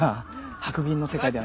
白銀の世界では。